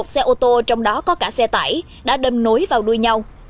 một mươi một xe ô tô trong đó có cả xe tải đã đâm nối vào đuôi nhau